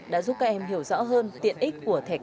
đã giúp các em hiểu rõ hơn tiện ích